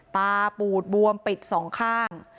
ปูดบวมปิดสองข้าง